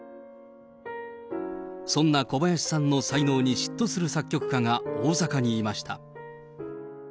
そんな小林さんの才能に嫉妬する作曲家が大阪にいました。